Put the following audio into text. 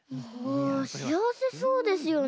しあわせそうですよね。